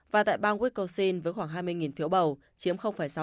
và tại bang wiscosin với khoảng hai mươi phiếu bầu chiếm sáu